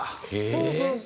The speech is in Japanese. そうそうそう。